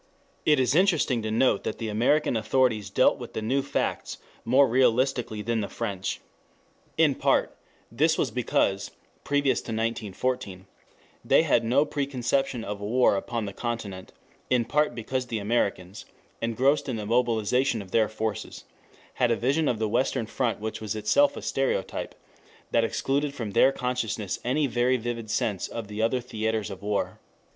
It is interesting to note that the American authorities dealt with the new facts more realistically than the French. In part, this was because (previous to 1914) they had no preconception of a war upon the continent; in part because the Americans, engrossed in the mobilization of their forces, had a vision of the western front which was itself a stereotype that excluded from their consciousness any very vivid sense of the other theatres of war.